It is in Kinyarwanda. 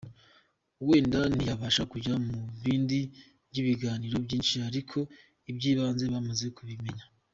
Wenda ntiyabasha kujya mu bindi by’ibiganiro byinshi ariko iby’ibanze bamaze kubimenya».